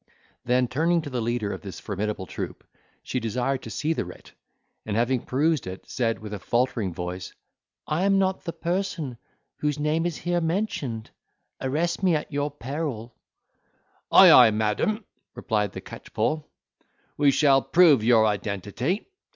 Then turning to the leader of this formidable troop, she desired to see the writ, and having perused it, said with a faltering voice, "I am not the person whose name is here mentioned, arrest me at your peril." "Ay, ay, madam," replied the catchpole. "We shall prove your identity.